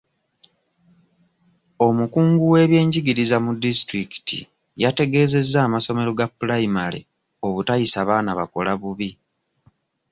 Omukungu w'ebyenjigiriza mu disitulikiti yategeeza amasomero ga pulayimale obutayisa baana bakola bubi.